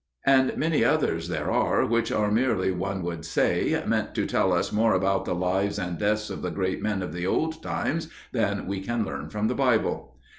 And many others there are which are merely, one would say, meant to tell us more about the lives and deaths of the great men of the old times than we can learn from the Bible.